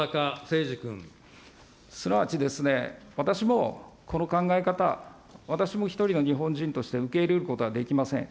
すなわちですね、私も、この考え方、私も一人の日本人として受け入れることはできません。